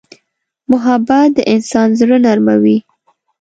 محبت د انسان زړه نرموي.